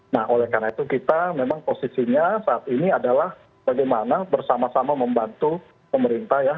nah oleh karena itu kita memang posisinya saat ini adalah bagaimana bersama sama membantu pemerintah ya